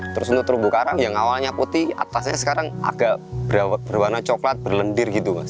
terus untuk terumbu karang yang awalnya putih atasnya sekarang agak berwarna coklat berlendir gitu mas